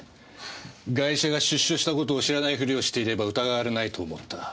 ガイシャが出所したことを知らないふりをしていれば疑われないと思った。